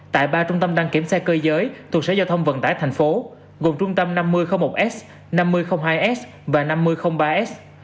tại ba trung tâm đăng kiểm xe cơ giới thuộc sở giao tông vận tải tp gồm trung tâm năm nghìn một s năm nghìn hai s và năm nghìn ba s